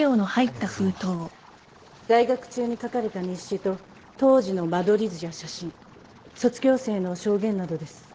在学中に書かれた日誌と当時の間取り図や写真卒業生の証言などです。